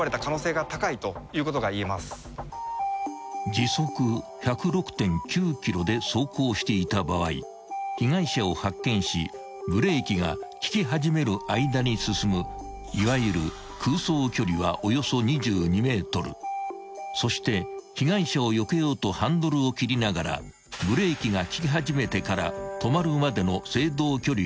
［時速１０６．９キロで走行していた場合被害者を発見しブレーキが利き始める間に進むいわゆる］［そして被害者をよけようとハンドルを切りながらブレーキが利き始めてから止まるまでの］